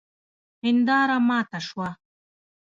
هنداره ماته سوه